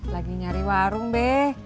lagi nyari warung be